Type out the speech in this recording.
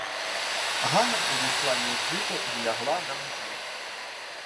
Ганна увійшла між жито й лягла на межі.